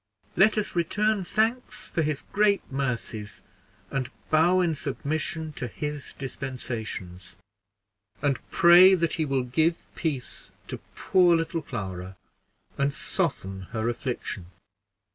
Let us return thanks for his great mercies, and bow in submission to his dispensations, and pray that he will give peace to poor little Clara, and soften her affliction."